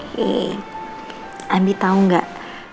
hei abi tau gak